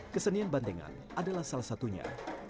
kesenian bandengan adalah salah satunya